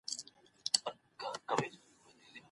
د توکو تولید د پرمختیا اصلي برخه ده.